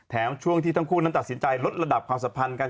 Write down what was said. ช่วงที่ทั้งคู่นั้นตัดสินใจลดระดับความสัมพันธ์กัน